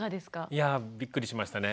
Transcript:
いやびっくりしましたね。